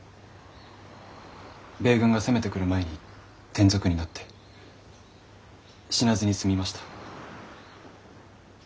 米軍が攻めてくる前に転属になって死なずに済みました。